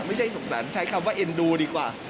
ไม่ใช่สงสารใช้คำว่าเอ็นดูดีกว่า